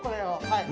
はい。